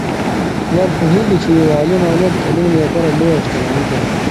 پلار پوهیږي چي یو عالم اولاد د ټولنې لپاره لویه شتمني ده.